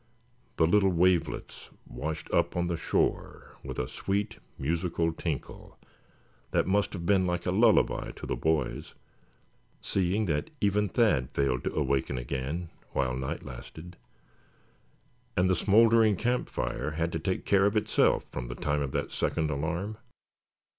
The little wavelets washed up on the shore with a sweet musical tinkle that must have been like a lullaby to the boys, seeing that even Thad failed to awaken again, while night lasted; and the smouldering camp fire had to take care of itself from the time of that second alarm.